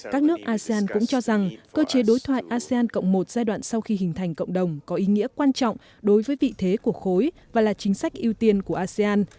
các nước asean cũng cho rằng cơ chế đối thoại asean cộng một giai đoạn sau khi hình thành cộng đồng có ý nghĩa quan trọng đối với vị thế của khối và là chính sách ưu tiên của asean